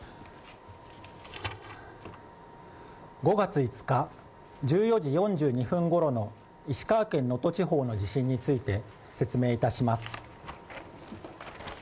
５月５日、１４時４２分ごろの石川県能登地方の地震について説明いたします。